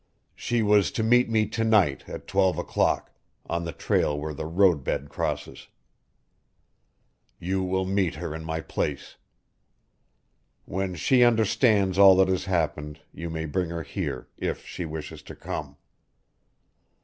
She was to meet me to night at twelve o'clock on the trail where the road bed crosses. You will meet her in my place. When she understands all that has happened you may bring her here, if she wishes to come.